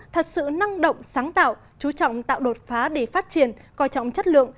thật sự năng động sáng tạo chú trọng tạo đột phá để phát triển coi trọng chất lượng